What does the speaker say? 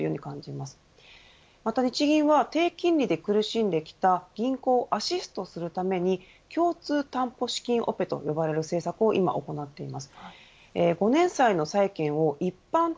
また日銀は低金利で苦しんできた銀行をアシストするために共通担保資金オペと呼ばれる政策を今行っています。